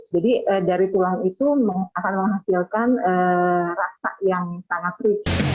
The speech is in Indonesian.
jadi dari tulang itu akan menghasilkan rasa yang sangat lucu